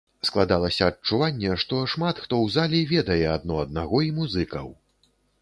Складалася адчуванне, што шмат хто ў залі ведае адно аднаго і музыкаў.